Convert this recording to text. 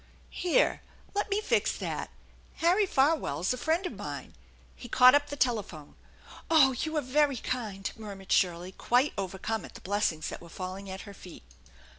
" Here, let me fix that. Harry Farwell's a friend of mine." He caught up the telephone. " Oh, you are very kind !" murmured Shirley, quite over come at the blessings that were falling at her feet.